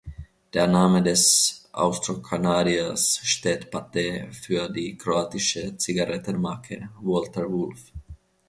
Der Name des Austro-Kanadiers steht Pate für die kroatische Zigarettenmarke "Walter Wolf".